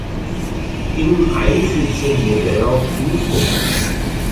Im Einsitzer wurde er Fünfter.